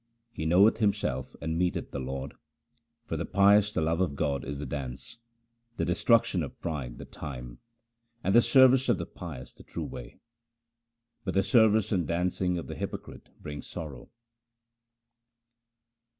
He knoweth himself and meeteth the Lord. For the pious the love of God is the dance, The destruction of pride the time, And the service of the pious the true way ; But the service and dancing of the hypocrite bring sorrow.